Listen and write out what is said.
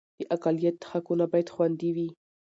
د اقلیت حقونه باید خوندي وي